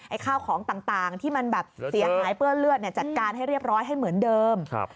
ไอ้ข้าวของต่างต่างที่มันแบบเสียหายเปื้อเลือดเนี้ยจัดการให้เรียบร้อยให้เหมือนเดิมครับ